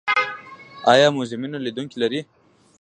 آیا موزیمونه لیدونکي لري؟